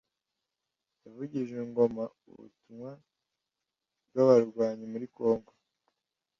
yavugije ingoma ubutumwa bwabarwanyi muri congo